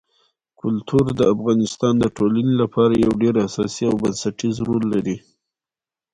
کلتور د افغانستان د ټولنې لپاره یو ډېر اساسي او بنسټيز رول لري.